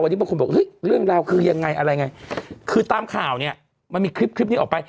บางคนบอกเรื่องราวคือยังไงอะไรไงคือตามข่าวเนี่ยมันมีคลิปนี้ออกไป